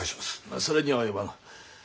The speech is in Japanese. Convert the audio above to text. それには及ばぬ。